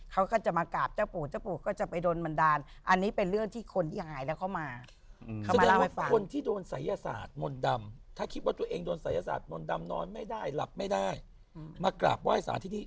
เขาก็จะดีขึ้นจากส่วนใหญ่